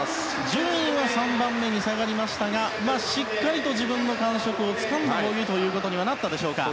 順位は３番目に下がりましたがしっかりと自分の感触をつかんだ泳ぎになったでしょうか。